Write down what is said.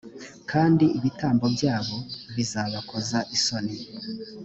kandi ibitambo byabo bizabakoza isoni